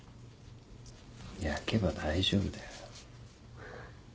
焼けば大丈夫だよ。